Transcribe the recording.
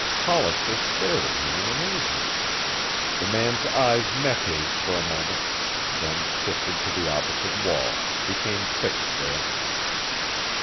Hollister stared at him in amazement. The man's eyes met his for a moment, then shifted to the opposite wall, became fixed there.